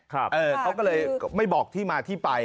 เขาก็เลยไม่บอกที่มาที่ไป